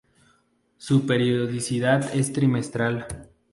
Su periodicidad es trimestral.